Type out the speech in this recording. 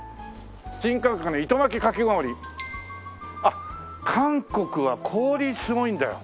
「新感覚の糸巻きカキ氷」あっ韓国は氷すごいんだよ。